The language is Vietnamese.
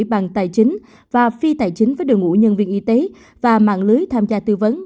bằng tài chính và phi tài chính với đội ngũ nhân viên y tế và mạng lưới tham gia tư vấn